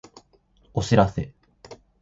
お知らせ